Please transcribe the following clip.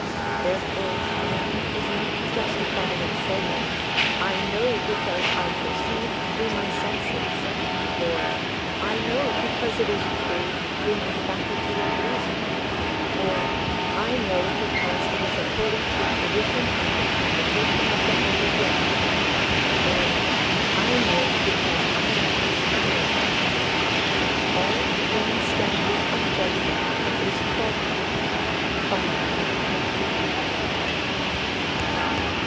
Therefore man is not justified in saying "I know because I perceive through my senses"; or "I know because it is proved through my faculty of reason"; or "I know because it is according to tradition and interpretation of the holy book"; or "I know because I am inspired." All human standard of judgment is faulty, finite.